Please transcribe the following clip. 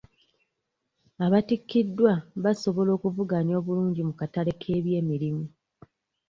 Abattikiddwa basobola okuvuganya obulungi mu katale ky'ebyemirimu.